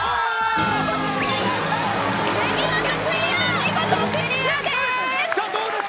見事、クリアです。